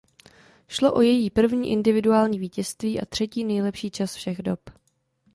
Šlo o její první individuální vítězství a třetí nejlepší čas všech dob.